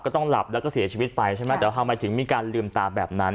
ต้องหลับแล้วก็เสียชีวิตไปใช่ไหมแต่ทำไมถึงมีการลืมตาแบบนั้น